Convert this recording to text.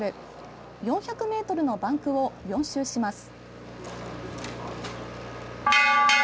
４００ｍのバンクを４周します。